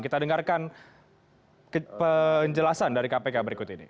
kita dengarkan penjelasan dari kpk berikut ini